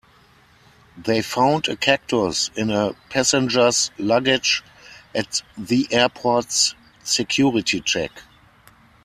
They found a cactus in a passenger's luggage at the airport's security check.